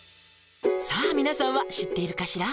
「さあ皆さんは知っているかしら？